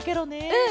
うん！